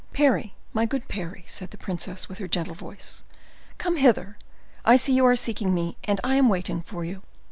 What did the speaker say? "Parry, my good Parry," said the princess, with her gentle voice, "come hither. I see you are seeking me, and I am waiting for you."